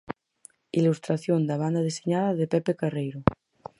Ilustración da banda deseñada de Pepe Carreiro.